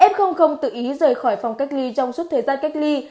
f tự ý rời khỏi phòng cách ly trong suốt thời gian cách ly